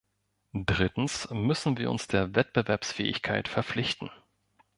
Drittens müssen wir uns der Wettbewerbsfähigkeit verpflichten.